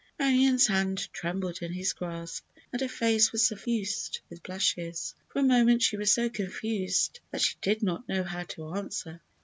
Marion's hand trembled in his grasp and her face was suffused with blushes. For a moment she was so confused that she did not know how to answer.